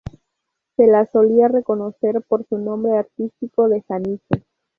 Se la solía reconocer por su nombre artístico de "Janice".